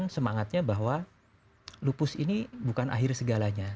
karena makanya bahwa lupus ini bukan akhir segalanya